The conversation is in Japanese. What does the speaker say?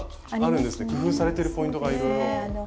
工夫されてるポイントがいろいろおもしろい。